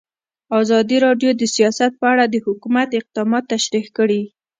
ازادي راډیو د سیاست په اړه د حکومت اقدامات تشریح کړي.